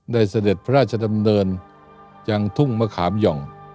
เสด็จพระราชดำเนินยังทุ่งมะขามหย่อง